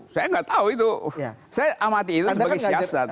saya nggak tahu itu saya amati itu sebagai siasat